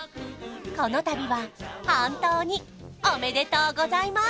このたびは本当におめでとうございます！